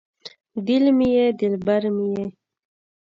دل مې یې دلبر مې یې